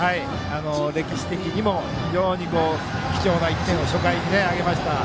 歴史的にも非常に貴重な１点を初回に挙げました。